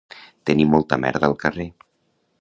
Tenir molta merda al carrer